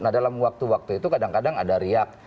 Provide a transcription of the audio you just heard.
nah dalam waktu waktu itu kadang kadang ada riak